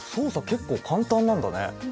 結構簡単なんだね。